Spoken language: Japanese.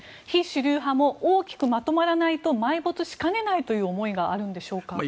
非主流派も大きくまとまらないと埋没しかねないという思いがあるんでしょうか。